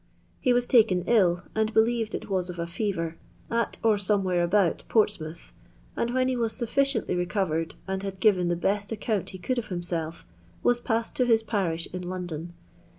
He was taken ill, and believed it was of a feTer, at or somewhere about Portsmouth, and when he was sufficiently recovered, and had given the best account he could of himself, was passed to his perish in London.